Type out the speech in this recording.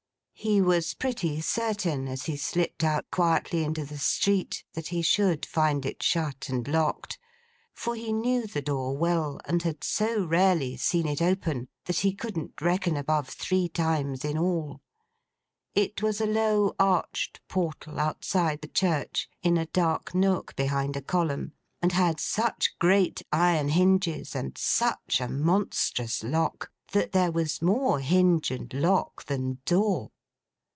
He was pretty certain as he slipped out quietly into the street that he should find it shut and locked, for he knew the door well, and had so rarely seen it open, that he couldn't reckon above three times in all. It was a low arched portal, outside the church, in a dark nook behind a column; and had such great iron hinges, and such a monstrous lock, that there was more hinge and lock than door.